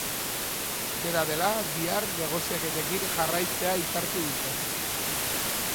Dena dela, bihar negoziaketekin jarraitzea hitzartu dute.